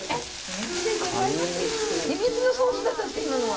秘密のソースだったんですか今のは。